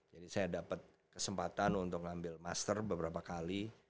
jadi saya dapat kesempatan untuk ngambil master beberapa kali